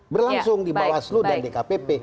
berlangsung di bawah seluruh dan di kpp